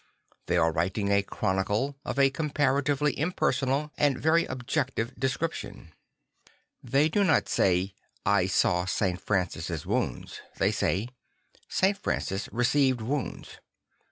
They are writing a chronicle of a comparatively impersonal and very objective description. They do not say, II I saw St. Francis's wounds"; they say, II St. Francis received wounds."